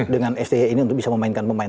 dengan sti ini untuk bisa memainkan pemain